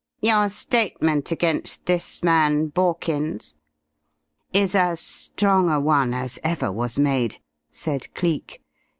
"Your statement against this man Borkins ?" "Is as strong a one as ever was made," said Cleek.